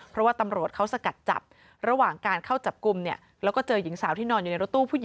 เพราะว่าตำรวจเขาสกัดจับระหว่างการเข้าจับกลุ่มเนี่ยแล้วก็เจอหญิงสาวที่นอนอยู่ในรถตู้ผู้หญิง